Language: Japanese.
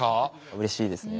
うれしいですね。